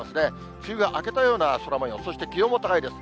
梅雨が明けたような空もよう、そして気温も高いです。